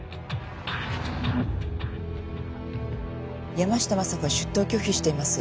山下昌子は出頭を拒否しています。